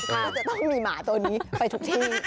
ก็จะต้องมีหมาตัวนี้ไปทุกที่